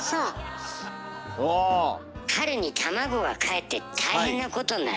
春にタマゴがかえって大変なことになる。